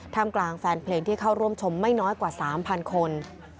ทำกลางแฟนเพลงที่เข้าร่วมชมไม่น้อยกว่า๓๐๐คน